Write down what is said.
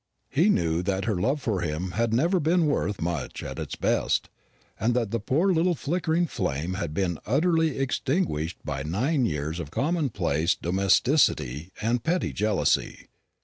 He knew that her love for him had never been worth much at its best, and that the poor little flickering flame had been utterly extinguished by nine years of commonplace domesticity and petty jealousy.